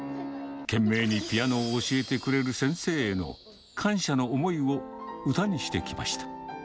懸命にピアノを教えてくれる先生への感謝の思いを歌にしてきました。